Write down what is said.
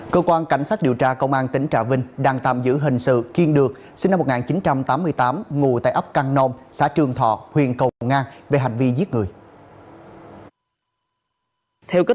cơ quan cảnh sát điều tra công an tỉnh trà vinh đang tạm giữ hình sự kiên được sinh năm một nghìn chín trăm tám mươi tám ngụ tại ấp căng nôn xã trường thọ huyện cầu mồ ngang về hành vi giết người